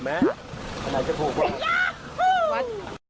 มันไหนจะพูดว่า